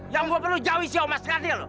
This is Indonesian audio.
yang aku perlu jauhi si omas